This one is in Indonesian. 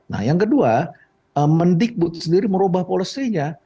nah yang kedua mendikbut sendiri merubah polosinya